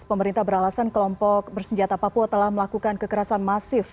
pemerintah beralasan kelompok bersenjata papua telah melakukan kekerasan masif